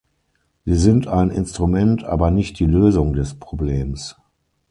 Sie sind ein Instrument, aber nicht die Lösung des Problems!